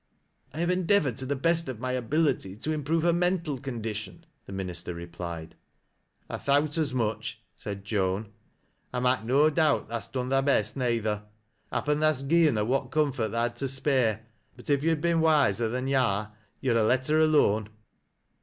"I have endeavored to the best of my ability to impj ovc her mental condition," the minister replied. " I thowt as much," said Joan ;" I mak' no doubt tha'st done thy best, neyther. Happen tha'st gi'en her what comfort tha had to spare, but if yo'd been wiser than yo' are yo'd ha' let her alone.